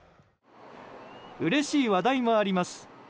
うれしい話題もあります。